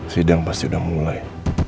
sidang pasti udah mulai